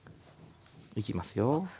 いきますよ。